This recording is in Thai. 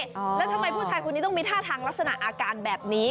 แล้วทำไมผู้ชายคนนี้ต้องมีท่าทางลักษณะอาการแบบนี้